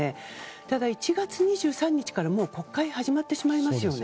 ただ、１月２３日からはもう国会が始まってしまいますよね。